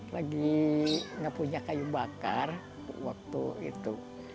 lagi nggak punya kayu bakar waktu itu